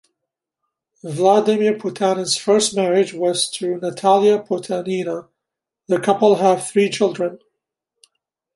Vladmir Potanin's first marriage was to Natalia Potanina; the couple have three children.